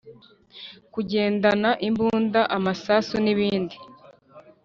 kugendana imbunda amasasu n ibindi